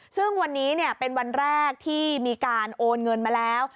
ซึ่งวันนี้เป็นวันแรกที่มีการโอนเงินมาแล้ว